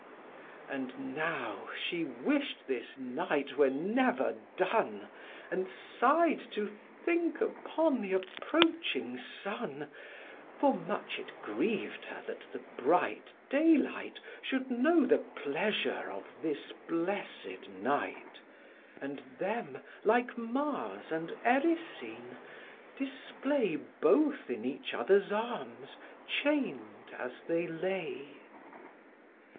And now she wish'd this night were never done, And sigh'd to think upon th' approaching sun; For much it griev'd her that the bright day light Should know the pleasure of this blessed night, And them, like Mars and Erycine, display Both in each other's arms chain'd as they lay.